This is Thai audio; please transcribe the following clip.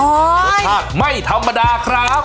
รสชาติไม่ธรรมดาครับ